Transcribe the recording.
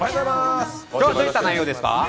今日はどういった内容ですか？